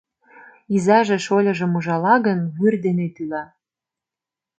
— Изаже шольыжым ужала гын, вӱр дене тӱла!